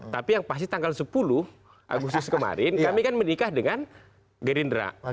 tapi yang pasti tanggal sepuluh agustus kemarin kami kan menikah dengan gerindra